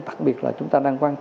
đặc biệt là chúng ta đang quan sát